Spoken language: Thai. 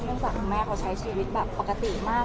เนื่องจากคุณแม่เค้าใช้ชีวิตแบบปกติมาก